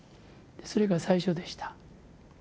それが最初でした。